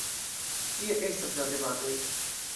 Kie estas la debatoj?